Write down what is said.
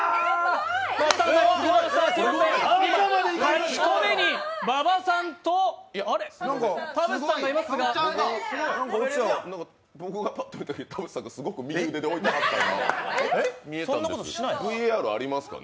８個目に馬場さんと、田渕さんがいますが僕がパッと見たとき田渕さんが右腕で置いたなとＶＡＲありますかね？